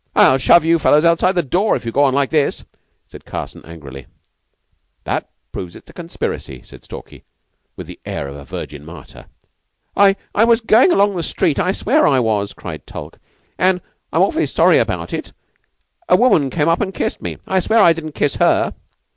"I'll shove you fellows outside the door if you go on like this," said Carson angrily. "That proves it's a conspiracy," said Stalky, with the air of a virgin martyr. "I I was goin' along the street I swear I was," cried Tulke, "and and I'm awfully sorry about it a woman came up and kissed me. I swear I didn't kiss her."